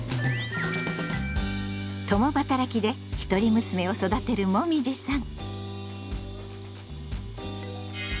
共働きで一人娘を育てるもみじさん。